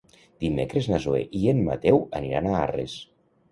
Dimecres na Zoè i en Mateu aniran a Arres.